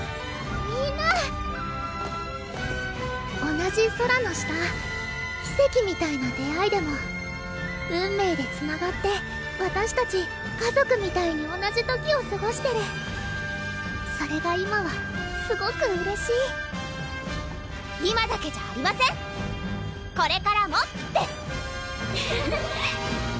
みんな同じ空の下奇跡みたいな出会いでも運命でつながってわたしたち家族みたいに同じ時をすごしてるそれが今はすごくうれしい今だけじゃありませんこれからもです！